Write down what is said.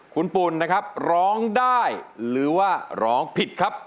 คุณปุ่นนะครับร้องได้หรือว่าร้องผิดครับ